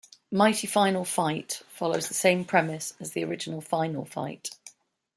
"Mighty Final Fight" follows the same premise as the original "Final Fight".